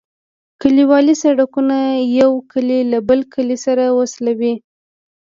کليوالي سرکونه یو کلی له بل کلي سره وصلوي